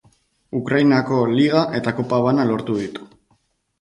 Ukrainako Liga eta Kopa bana lortu ditu.